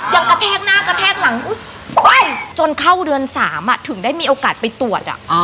ยังกระแทกหน้ากระแทกหลังโก๊ยจนเข้าเดือนสามด้วยอ่ะถึงได้มีโอกาสไปตรวจอ่ะ